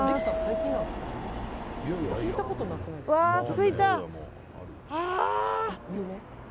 着いた！